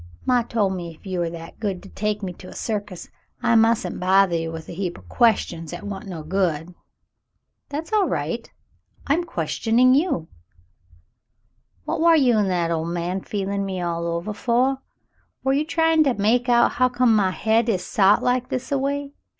"Maw told me if you war that good to take me to a circus, I mustn't bothah you with a heap o' questions 'at wa'n't no good." "That's all right. I'm questioning you now." "What war you an' that old man feelin' me all ovah for ? War you tryin' to make out hu' come my hade is sot like this a way